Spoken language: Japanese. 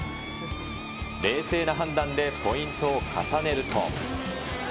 冷静な判断でポイントを重ねると。